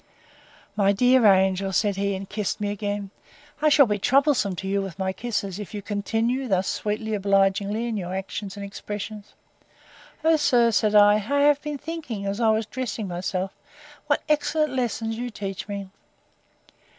My dear angel, said he, and kissed me again, I shall be troublesome to you with my kisses, if you continue thus sweetly obliging in your actions and expressions. O sir, said I, I have been thinking, as I was dressing myself, what excellent lessons you teach me!